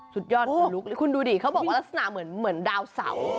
สุดยอดคุณดูดิเขาบอกว่ารักษณะเหมือนดาวเสาร์